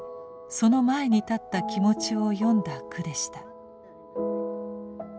その前に立った気持ちを詠んだ句でした。